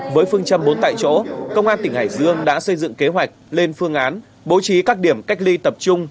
với phương châm bốn tại chỗ công an tỉnh hải dương đã xây dựng kế hoạch lên phương án bố trí các điểm cách ly tập trung